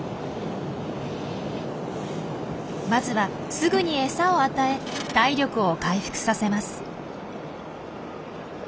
まずはすぐに餌を与え体力を回復させます。